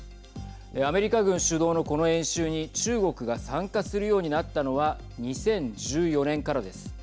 アメリカ軍主導のこの演習に中国が参加するようになったのは２０１４年からです。